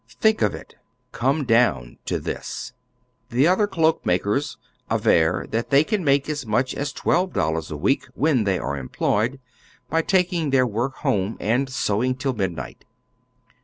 Think of it: "comedown" to this. The other cloak makers aver that they can make as much as twelve dollars a week, when they are employed, by taking their work home and sewing till midnight.